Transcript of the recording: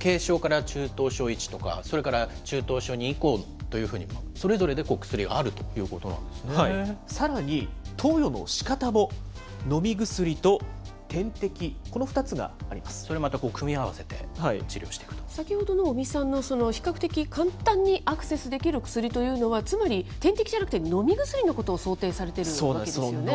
軽症から中等症１とか、それから中等症２以降というふうに、それぞれで薬があるというこさらに投与のしかたも飲み薬それまた組み合わせて治療し先ほどの尾身さんの比較的に簡単にアクセスできる薬というのは、つまり点滴じゃなくて、飲み薬のことを想定されてるわけですよね。